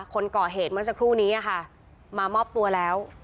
คนก่อเหตุเมื่อสักครู่นี้ค่ะมามอบตัวแล้ว